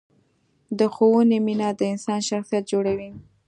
د ښوونې مینه د انسان شخصیت جوړوي.